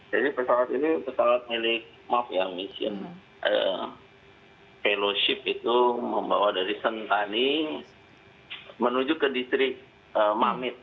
jadi pesawat ini pesawat milik mafia mission fellowship itu membawa dari sentani menuju ke distrik mamit